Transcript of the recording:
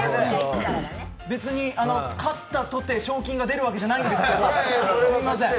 別に勝ったとて賞金が出るわけじゃないんですけど。